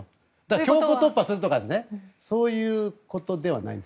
強行突破するとかそういうことではないんです。